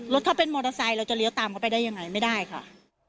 รถถ้าเป็นมอเตอร์ไซค์เราจะเลี้ยวตามเขาไปได้ยังไงไม่ได้ค่ะ